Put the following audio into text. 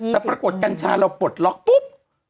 แต่ปรากฏกัญชาเราปลดล็อกปุ๊บ